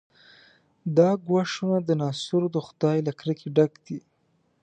دا ګواښونه د ناصرو د خدۍ له کرکې ډک دي.